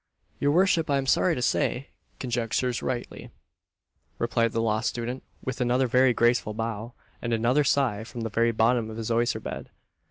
"Your worship, I am sorry to say, conjectures rightly," replied the Law Student, with another very graceful bow, and another sigh from the very bottom of his oyster bed.